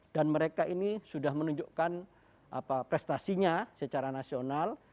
dan mereka ini sudah menunjukkan prestasinya secara nasional